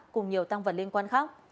cùng nhiều tăng vật liên quan khác